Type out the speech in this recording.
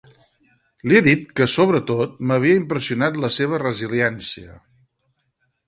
Li he dit que sobretot m’havia impressionat la seva resiliència.